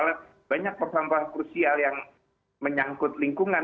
karena banyak persoalan persoalan krusial yang menyangkut lingkungan